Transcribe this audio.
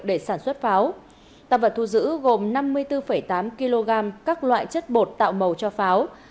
để sản xuất pháo tạp vật thu giữ gồm năm mươi bốn tám kg các loại chất bột tạo màu cho pháo